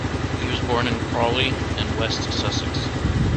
He was born in Crawley in West Sussex.